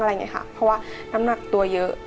เพราะว่าน้ำหนักตัวเยอะ